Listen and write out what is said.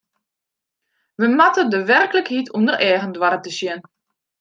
Wy moatte de werklikheid ûnder eagen doare te sjen.